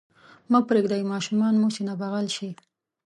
مه پرېږدئ ماشومان مو سینه بغل شي.